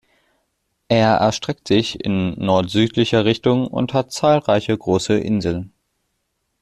Er erstreckt sich in nord-südlicher Richtung und hat zahlreiche große Inseln.